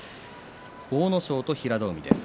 阿武咲と平戸海です。